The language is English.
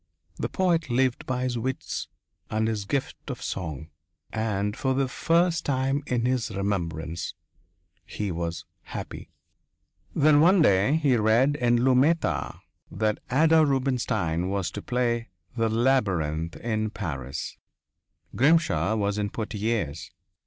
The poet lived by his wits and his gift of song. And for the first time in his remembrance he was happy. Then one day he read in Le Matin that Ada Rubenstein was to play "The Labyrinth" in Paris. Grimshaw was in Poitiers.